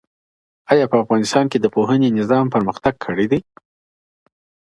ايا په افغانستان کي د پوهني نظام پرمختګ کړی دی؟